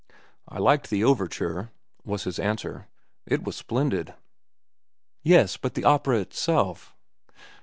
"I liked the overture," was his answer. "It was splendid." "Yes, but the opera itself?"